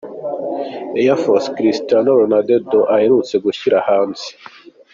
Air Force Cristiano Ronaldo aherutse gushyira hanze.